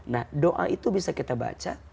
nah doa itu bisa kita baca